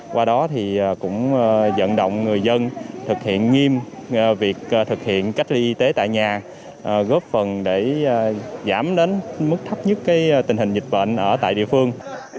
qua đó thì cũng dẫn động người dân thực hiện nghiêm việc thực hiện cách ly y tế tại nhà góp phần để giảm đến mức thấp nhất tình hình dịch bệnh ở tại địa phương